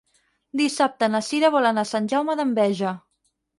Dissabte na Sira vol anar a Sant Jaume d'Enveja.